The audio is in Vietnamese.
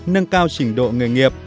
nâng cao trình độ người nghiệp